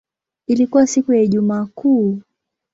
Ilikuwa siku ya Ijumaa Kuu.